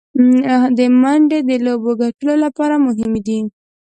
منډې د لوبي ګټلو له پاره مهمي دي.